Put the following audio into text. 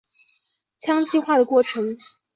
羟基化的过程。